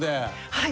はい。